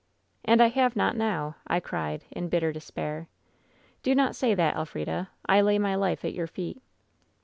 'And I have not now !' I cried, in bitter despair. Do not say that, Elfrida. I lay my life at your feet!'